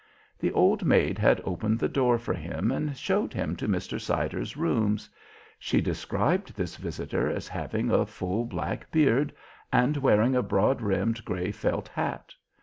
The old maid had opened the door for him and showed him to Mr. Siders' rooms. She described this visitor as having a full black beard, and wearing a broad brimmed grey felt hat.